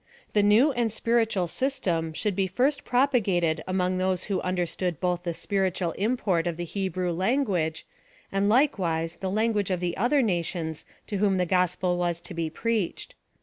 The new and spiritual system should he first propagated among those who understood both the spiritual import of the Hebrew language, and like wise the langruaofe of the other nations to whom the gospel was to be pleached.